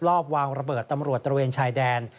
รอบวางระเบิดตำรวจตระเวนชายแดน